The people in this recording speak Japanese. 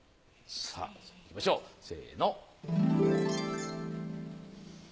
さぁいきましょうせの。